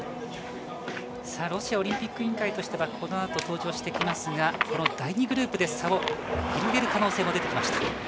ロシアオリンピック委員会はこのあと登場してきますが第２グループで差を広げる可能性も出てきました。